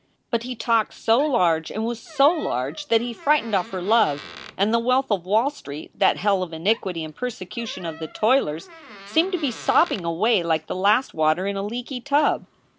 But he talked so large and was so large that he frightened off her love, and the wealth of Wall Street, that hell of iniquity and persecution of the toilers, seemed to be sobbing away like the last water in a leaky tub.